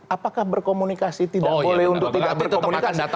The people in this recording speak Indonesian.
apakah berkomunikasi tidak boleh untuk tidak berkomunikasi